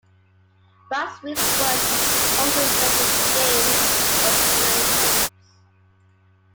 Bradstreet's work has also extended to games of many types.